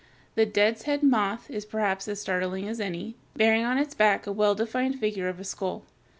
The death's head moth (Fig. 239) is perhaps as startling as any, bearing on its back a well defined figure of a skull.